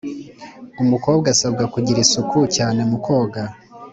Umukobwa asabwa kugira isuku cyane mu koga